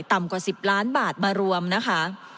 ต่ำกว่า๑๐ล้านบาทมารวมนะคะ